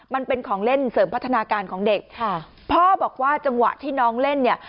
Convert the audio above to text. มันเป็นของเล่นเสริมพัฒนาการของเด็กค่ะพ่อบอกว่าจังหวะที่น้องเล่นเนี่ย